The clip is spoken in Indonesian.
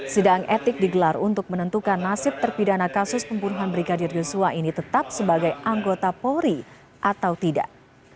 sidang etik digelar untuk menentukan nasib terpidana kasus pembunuhan brigadir joshua ini tetap sebagai anggota polri atau tidak